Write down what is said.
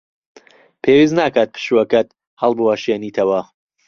پێویست ناکات پشووەکەت هەڵبوەشێنیتەوە.